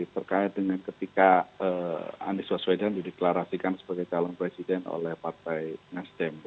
terkait dengan ketika anies waswedan dideklarasikan sebagai calon presiden oleh partai nasdem